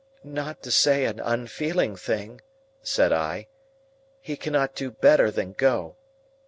"Not to say an unfeeling thing," said I, "he cannot do better than go."